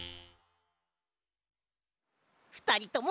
ふたりとも